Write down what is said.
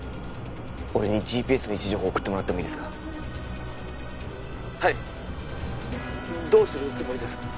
俺にＧＰＳの位置情報送ってもらってもいいですか☎はいどうするつもりですか？